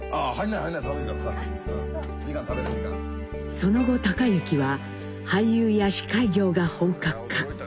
その後隆之は俳優や司会業が本格化。